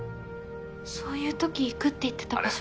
そういうとき行くって言ってた場所が。